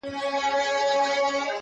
په هر چا کي ښه او بد سته.